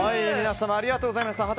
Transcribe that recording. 皆様、ありがとうございます。